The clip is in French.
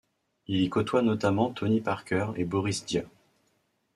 Il y côtoie notamment Tony Parker et Boris Diaw.